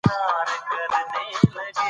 سلیمان غر د افغان ځوانانو لپاره دلچسپي لري.